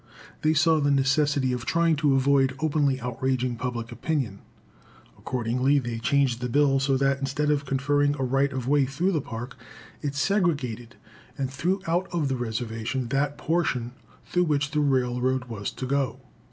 They saw the necessity of trying to avoid openly outraging public opinion. Accordingly they changed the bill, so that, instead of conferring a right of way through the Park, it segregated and threw out of the reservation that portion through which the railroad was to go.